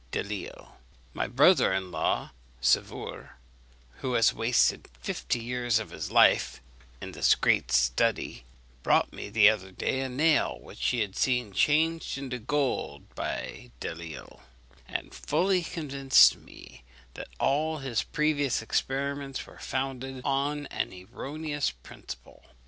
Delisle. My brother in law Sauveur, who has wasted fifty years of his life in this great study, brought me the other day a nail which he had seen changed into gold by Delisle, and fully convinced me that all his previous experiments were founded on an erroneous principle.